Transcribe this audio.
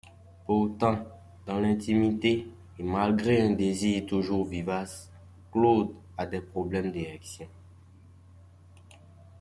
Pourtant, dans l'intimité, et malgré un désir toujours vivace, Claude a des problèmes d'érection.